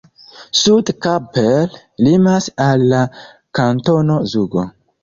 Sude Kappel limas al la Kantono Zugo.